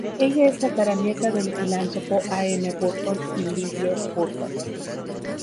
Ella es tataranieta del filántropo A. M. Burton y Lillie Burton.